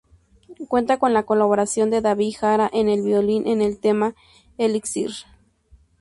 Cuenta con la colaboración de David Jara en el violín en el tema "Elixir".